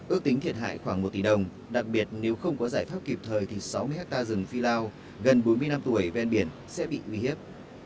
ước tính thiệt hại khoảng một tỷ đồng đặc biệt nếu không có giải pháp kịp thời thì sáu mươi hectare rừng phi lao gần bốn mươi năm tuổi ven biển sẽ bị uy hiếp